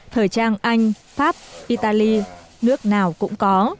thời trang anh pháp italy nước nào cũng có